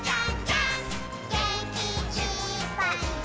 「げんきいっぱいもっと」